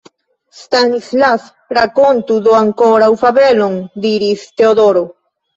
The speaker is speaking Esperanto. Stanislas, rakontu do ankoraŭ fabelon! diris Teodoro.